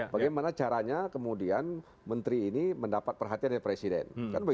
bagaimana caranya kemudian menteri ini mendapat perhatian dari presiden